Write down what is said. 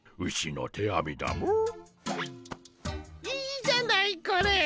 いいじゃないこれ。